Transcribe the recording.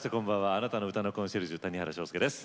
あなたの歌のコンシェルジュ谷原章介です。